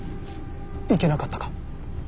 いけなかったか。